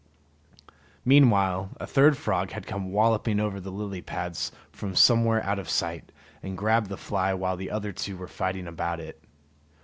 Meanwhile a third frog had come walloping over the lily pads from somewhere out of sight, and grabbed the fly while the other two were fighting about it.